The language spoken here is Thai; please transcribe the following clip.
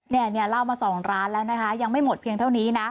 เนี่ยเล่ามา๒ร้านแล้วนะคะยังไม่หมดเพียงเท่านี้นะ